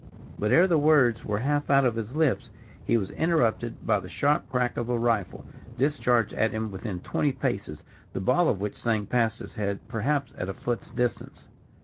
But ere his words were half out of his lips, he was interrupted by the sharp crack of a rifle, discharged at him within twenty paces, the ball of which sang past his head, perhaps at a foot's distance.